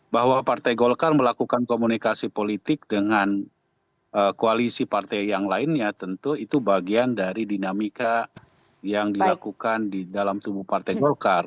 bahwa partai golkar melakukan komunikasi politik dengan koalisi partai yang lainnya tentu itu bagian dari dinamika yang dilakukan di dalam tubuh partai golkar